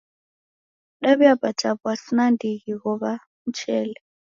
Daw'iapata w'asi nandighi ghow'a mchele.